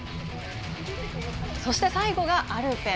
そして最後がアルペン。